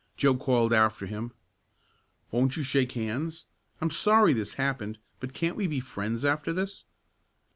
Joe called after him: "Won't you shake hands? I'm sorry this happened, but can't we be friends after this?"